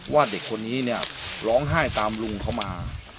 เด็กคนนี้เนี่ยร้องไห้ตามลุงเขามา